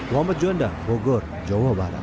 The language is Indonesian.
mohd jonda bogor jawa barat